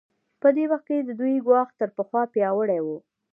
په دې وخت کې د دوی ګواښ تر پخوا پیاوړی و.